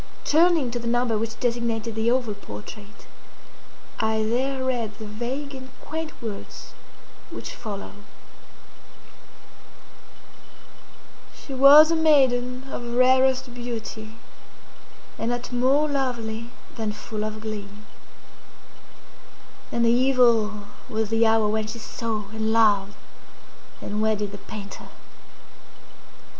Turning to the number which designated the oval portrait, I there read the vague and quaint words which follow: "She was a maiden of rarest beauty, and not more lovely than full of glee. And evil was the hour when she saw, and loved, and wedded the painter.